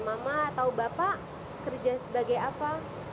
mama atau bapak kerja sebagai apa